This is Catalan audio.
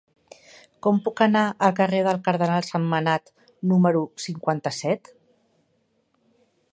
Com puc anar al carrer del Cardenal Sentmenat número cinquanta-set?